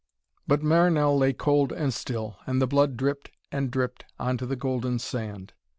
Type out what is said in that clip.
But Marinell lay cold and still, and the blood dripped and dripped on to the golden sand.